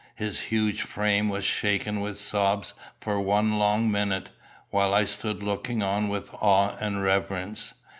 His huge frame was shaken with sobs for one long minute, while I stood looking on with awe and reverence.